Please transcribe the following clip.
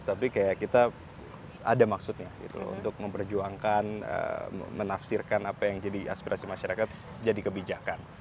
tapi kayak kita ada maksudnya gitu loh untuk memperjuangkan menafsirkan apa yang jadi aspirasi masyarakat jadi kebijakan